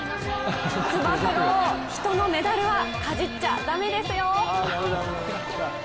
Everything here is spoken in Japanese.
つば九郎、人のメダルはかじっちゃだめですよ。